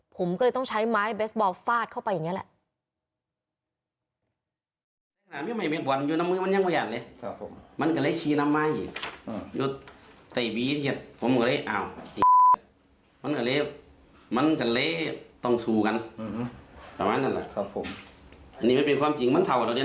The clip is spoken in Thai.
ผมก็เลยต้องใช้ไม้เบสบอลฟาดเข้าไปอย่างนี้แหละ